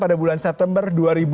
pada bulan september dua ribu enam belas